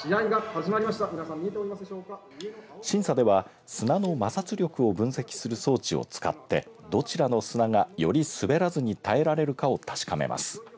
審査では、砂の摩擦力を分析する装置を使ってどちらの砂がより滑らずに耐えられるかも確かめます。